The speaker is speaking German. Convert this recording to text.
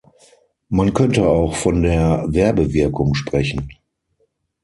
Man könnte auch von der Werbewirkung sprechen.